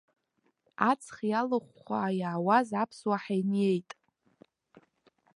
Аҵх иалыхәхәа иаауаз аԥсуа ҳиниеит.